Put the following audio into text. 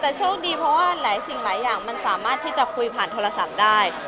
แต่โชคดีเพราะว่าหลายสิ่งหลายอย่างมันสามารถที่จะคุยผ่านโทรศัพท์ได้